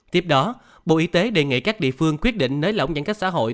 tiếp đó bộ y tế đề nghị các địa phương quyết định nới lỏng giãn cách xã hội